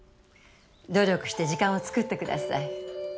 努力して時間をつくってください。